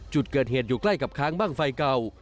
จุดเกิดเหตุอยู่ใกล้กับค้างบ้างไฟเก่า